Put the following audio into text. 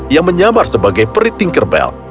yang menyamar sebagai peri tinkerbell